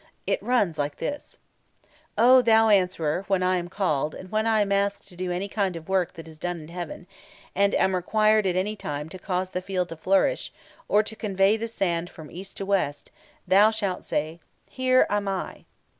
It runs like this: "Oh, thou Answerer, when I am called, and when I am asked to do any kind of work that is done in heaven, and am required at any time to cause the field to flourish, or to convey the sand from east to west, thou shalt say, 'Here am I.'"